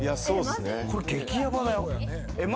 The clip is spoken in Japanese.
これ激ヤバだよ。